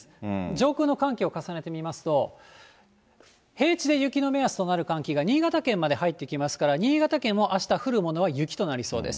上空の寒気を重ねてみますと、平地で雪の目安となる寒気が新潟県まで入ってきますから、新潟県もあした降るものは雪となりそうです。